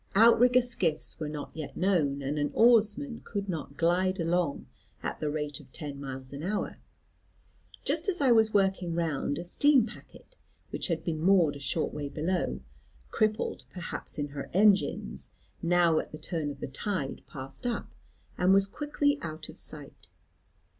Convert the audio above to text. Outrigger skiffs were not yet known; and an oarsman could not glide along at the rate of ten miles an hour. Just as I was working round, a steam packet, which had been moored a short way below, crippled perhaps in her engines, now at the turn of the tide passed up, and was quickly out of sight.